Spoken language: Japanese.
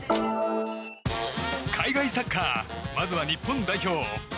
海外サッカーまずは日本代表。